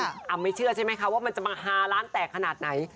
อำไม่เชื่อใช่ไหมคะว่ามันจะมาฮาร้านแตกขนาดไหน